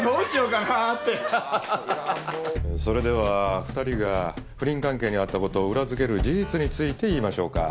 それでは２人が不倫関係にあったことを裏付ける事実について言いましょうか。